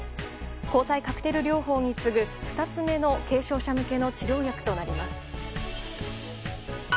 抗体カクテル療法に次ぐ２つ目の軽症者向けの治療薬となります。